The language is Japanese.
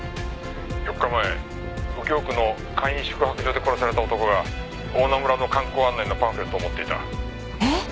「４日前右京区の簡易宿泊所で殺された男が大菜村の観光案内のパンフレットを持っていた」えっ？